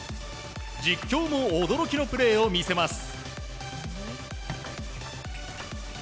実況も驚きのプレーを見せます。